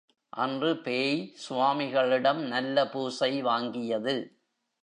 அன்று பேய் சுவாமிகளிடம் நல்ல பூசை வாங்கியது.